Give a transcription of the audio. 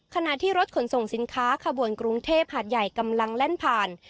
ขณะที่รถขนส่งสินค้าขบวนกรุงเทพหาดใหญ่กำลังแล่นผ่าน